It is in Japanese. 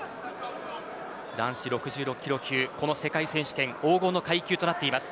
男子６６キロ級、この世界選手権黄金の階級となっています。